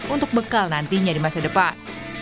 untuk bekal nantinya di masa depan